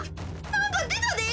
なんかでたで！